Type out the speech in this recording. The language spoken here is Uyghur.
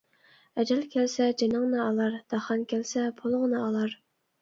ئەجەل كەلسە جېنىڭنى ئالار، داخان كەلسە پۇلۇڭنى ئالار.